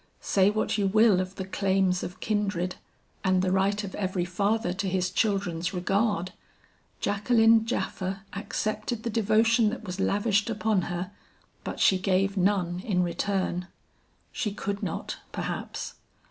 Say what you will of the claims of kindred, and the right of every father to his childrens' regard, Jacqueline Japha accepted the devotion that was lavished upon her, but she gave none in return. She could not, perhaps.